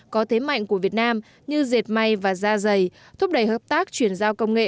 có thế mạnh của việt nam như dệt may và da dày thúc đẩy hợp tác chuyển giao công nghệ